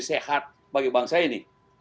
sehat bagi bangsa ini